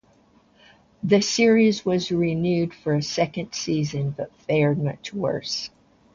The series was renewed for a second season but fared much worse.